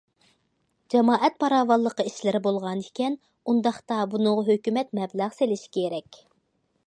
جامائەت پاراۋانلىقى ئىشلىرى بولغان ئىكەن، ئۇنداقتا بۇنىڭغا ھۆكۈمەت مەبلەغ سېلىشى كېرەك.